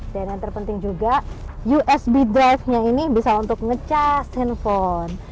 dan yang terpenting juga usb drive nya ini bisa untuk ngecas handphone